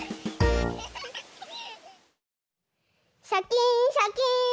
シャキーンシャキーン！